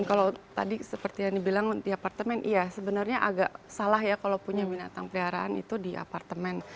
kalau tadi seperti yang dibilang di apartemen iya sebenarnya agak salah ya kalau punya binatang peliharaan itu di apartemen